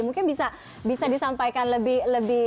mungkin bisa disampaikan lebih